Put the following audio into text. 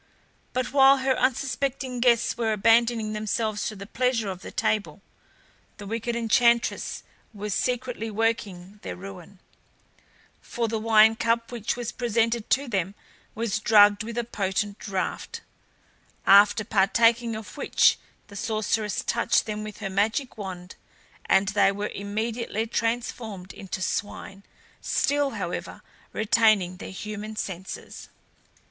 But while her unsuspecting guests were abandoning themselves to the pleasures of the table the wicked enchantress was secretly working their ruin; for the wine cup which was presented to them was drugged with a potent draught, after partaking of which the sorceress touched them with her magic wand, and they were immediately transformed into swine, still, however, retaining their human senses.